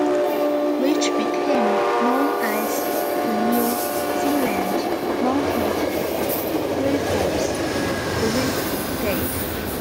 Which became known as the New Zealand Mounted Rifles Brigade.